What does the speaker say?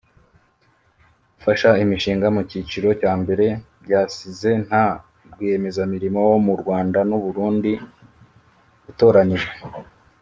Gufasha imishinga mu cyiciro cya mbere byasize nta rwiyemezamirimo wo mu Rwanda n’u Burundi utoranyijwe